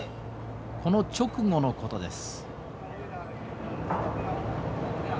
この直後のことです。